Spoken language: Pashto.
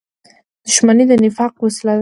• دښمني د نفاق وسیله ده.